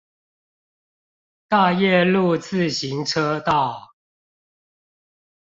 大業路自行車道